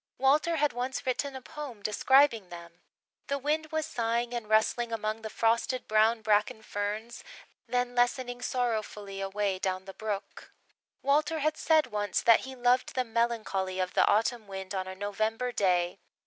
Walter had once written a poem describing them. The wind was sighing and rustling among the frosted brown bracken ferns, then lessening sorrowfully away down the brook. Walter had said once that he loved the melancholy of the autumn wind on a November day.